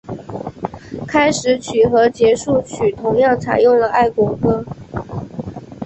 开始曲和结束曲同样采用了爱国歌。